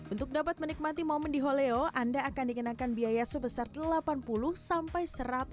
untuk dapat menikmati momen di holeo anda akan dikenakan biaya sebesar delapan puluh sampai